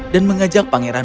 dan mengajak pangeran